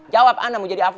jawab anna mau jadi av